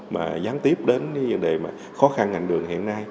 mà gián tiếp đến cái vấn đề mà khó khăn ngành đường hiện nay